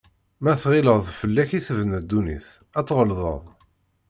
Ma tɣileḍ fell-ak i tebna dunnit, a tɣelḍeḍ.